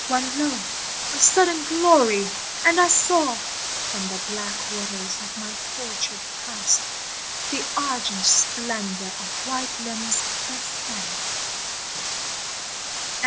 When lo ! a sudden glory ! and I saw From the black waters of my tortured past The argent splendor of white limbs ascend